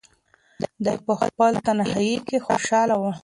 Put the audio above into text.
دی په خپل تنهایۍ کې خوشحاله و.